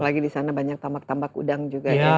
apalagi di sana banyak tambak tambak udang juga